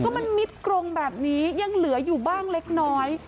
ก็มันมิดกรงแบบนี้ยังเหลืออยู่บ้างเล็กน้อย